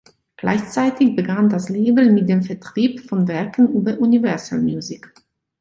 Gleichzeitig begann das Label mit dem Vertrieb von Werken über Universal Music.